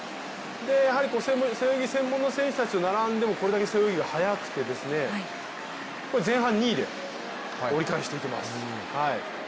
背泳ぎ専門の選手たちと並んでもこれだけ背泳ぎ速くてですね、前半２位で折り返していきます。